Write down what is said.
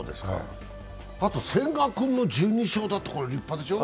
あと千賀君の１２勝も立派でしょう？